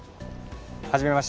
はじめまして。